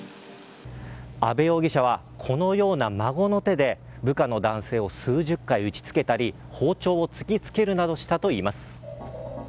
阿部容疑者はこのような孫の手で部下の男性を数十回打ち付けたり包丁を突き付けるなどしたといいます。